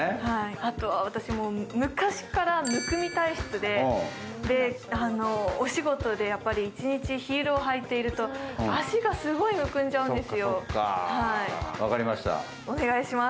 あとは、昔からむくみ体質でお仕事で一日ヒールを履いていると足がすごいむくんじゃうんです。